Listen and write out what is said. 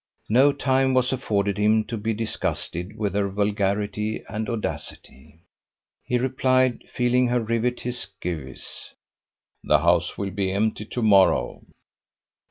No time was afforded him to be disgusted with her vulgarity and audacity. He replied, feeling her rivet his gyves: "The house will be empty to morrow."